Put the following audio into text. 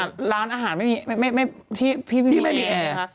อ่ะร้านอาหารที่ไม่มีแอร์